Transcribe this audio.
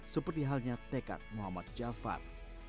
seperti halnya tekad muhammad jafar